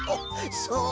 そう？